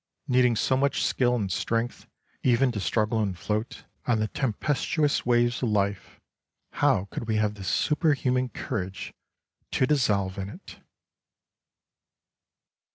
Needing so much skill and strength even to struggle and float on the tempestuous waves of life, how could we have the superhuman courage to dissolve in it